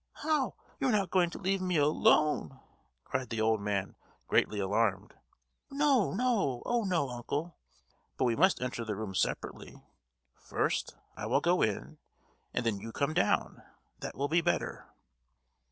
How! you are not going to leave me alone?" cried the old man, greatly alarmed. "No, no—oh no, uncle; but we must enter the room separately. First, I will go in, and then you come down; that will be better!"